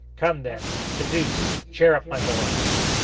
Come, then! the deuce! Cheer up, my boy!"